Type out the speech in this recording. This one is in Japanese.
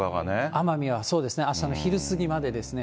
奄美は、そうですね、あしたの昼過ぎまでですね。